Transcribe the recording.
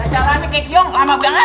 gajah rame kaya kiong lama banget